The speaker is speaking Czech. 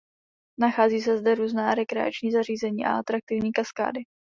Nachází se zde různá rekreační zařízení a atraktivní kaskády.